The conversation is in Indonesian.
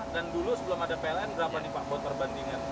dan dulu sebelum ada pln berapa nih pak buat perbandingan